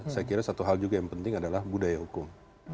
saya kira satu hal juga yang penting adalah budaya hukum